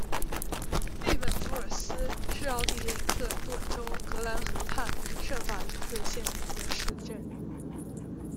利本弗尔斯是奥地利克恩顿州格兰河畔圣法伊特县的一个市镇。